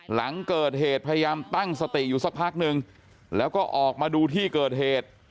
หลังเกิดเหตุพยายามตั้งสติอยู่สักพักนึงแล้วก็ออกมาดูที่เกิดเหตุ